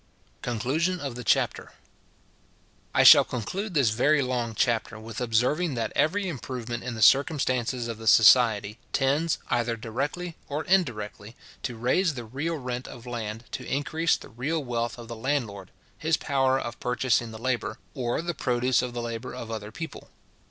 Conclusion of the Chapter. I shall conclude this very long chapter with observing, that every improvement in the circumstances of the society tends, either directly or indirectly, to raise the real rent of land to increase the real wealth of the landlord, his power of purchasing the labour, or the produce of the labour of other people.